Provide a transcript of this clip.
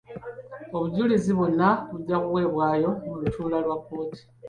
Obujulizi bwonna bujja kuweebwayo mu lutuula lwa kkooti.